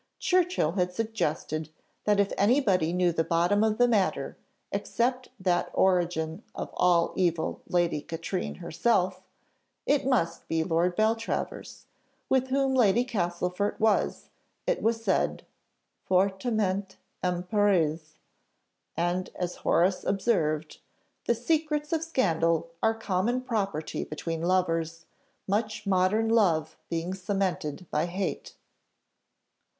Churchill had suggested that if any body knew the bottom of the matter, except that origin of all evil Lady Katrine herself, it must be Lord Beltravers, with whom Lady Castlefort was, it was said, fortement éprise, and as Horace observed, "the secrets of scandal are common property between lovers, much modern love being cemented by hate."